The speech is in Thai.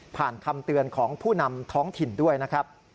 คำเตือนของผู้นำท้องถิ่นด้วยนะครับ